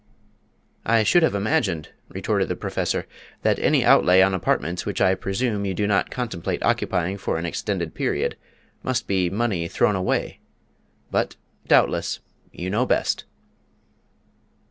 "I should have imagined," retorted the Professor, "that any outlay on apartments which I presume you do not contemplate occupying for an extended period must be money thrown away. But, doubtless, you know best."